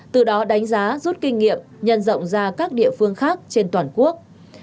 từ đó đánh giá rút kinh nghiệm nhân rộng ra các địa phương khác trên toàn quốc